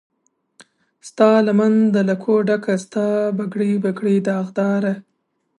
ستالمن د لکو ډکه، ستا پګړۍ، پګړۍ داغداره